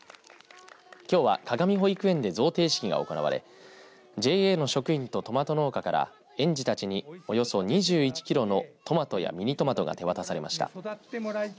きょうは鏡保育園で贈呈式が行われＪＡの職員とトマト農家から園児たちにおよそ２１キロのトマトやミニトマトが手渡されました。